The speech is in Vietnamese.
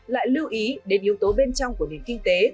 lại lưu ý đến yếu tố bên trong của nền kinh tế